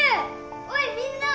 おいみんな！